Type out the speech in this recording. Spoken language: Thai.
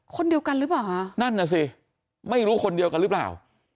คนเดียวกันหรือเปล่าคะนั่นน่ะสิไม่รู้คนเดียวกันหรือเปล่า